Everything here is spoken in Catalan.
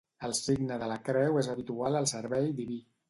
El signe de la creu és habitual al servei diví.